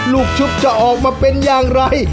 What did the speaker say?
ชุบจะออกมาเป็นอย่างไร